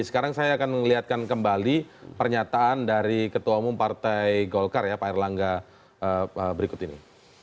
sekarang saya akan melihatkan kembali pernyataan dari ketua umum partai golkar ya pak erlangga berikut ini